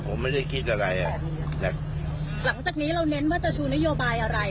เรื่องการดีเบจผมถามไปว่าจะดีเบจไหม